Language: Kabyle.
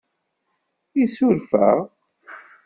Isuref-aɣ?